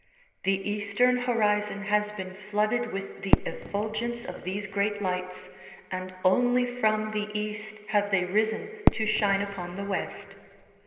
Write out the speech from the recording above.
The eastern horizon has been flooded with the efit'ulgence of these great lights and only from the east have they risen to shine upon the west.